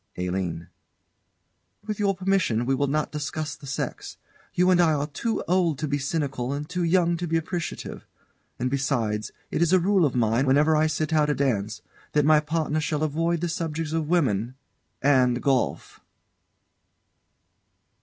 ALINE. With your permission we will not discuss the sex. You and I are too old to be cynical, and too young to be appreciative. And besides, it is a rule of mine, whenever I sit out a dance, that my partner shall avoid the subjects of women and golf.